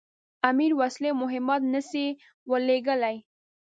امیر وسلې او مهمات نه سي ورلېږلای.